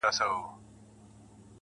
څه رنګه سپوږمۍ ده له څراغه يې رڼا وړې.